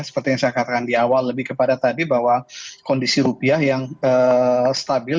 seperti yang saya katakan di awal lebih kepada tadi bahwa kondisi rupiah yang stabil